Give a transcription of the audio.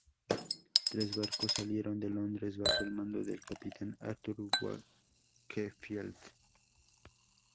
Tres barcos salieron de Londres bajo el mando del capitán Arthur Wakefield.